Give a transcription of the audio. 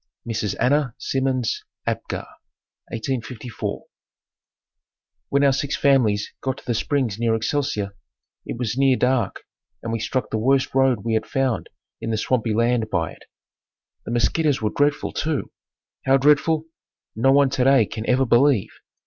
Mrs. Anna Simmons Apgar 1854. When our six families got to the springs near Excelsior it was near dark and we struck the worst road we had found in the swampy land by it. The mosquitoes were dreadful, too. How dreadful, no one today can ever believe.